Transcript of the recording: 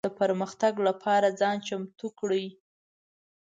د پرمختګ لپاره ځان چمتو کړي.